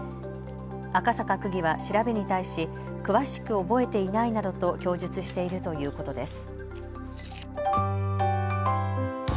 赤坂区議は調べに対し詳しく覚えていないなどと供述しているということです。